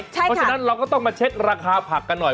เพราะฉะนั้นเราก็ต้องมาเช็คราคาผักกันหน่อย